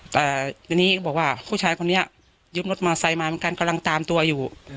แต่ทีนี้ก็บอกว่าผู้ชายคนนี้ยืมรถมอไซค์มาเหมือนกันกำลังตามตัวอยู่